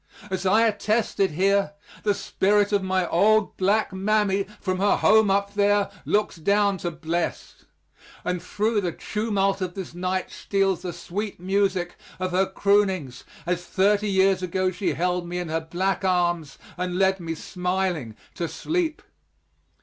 As I attest it here, the spirit of my old black mammy, from her home up there, looks down to bless, and through the tumult of this night steals the sweet music of her croonings as thirty years ago she held me in her black arms and led me smiling to sleep.